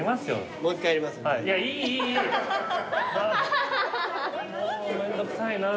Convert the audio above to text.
もうめんどくさいなぁ。